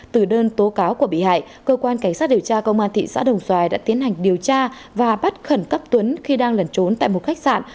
từ đơn tố cáo của bị hại cơ quan cảnh sát điều tra công an thị xã đồng xoài đã tiến hành điều tra và bắt khẩn cấp tuấn khi đang lẩn trốn tại một khách sạn